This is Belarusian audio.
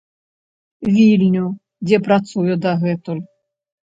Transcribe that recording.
Вільню, дзе працуе дагэтуль.